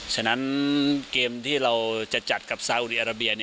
ฉะนั้นเกมที่เราจะจัดกับซาอุดีอาราเบีย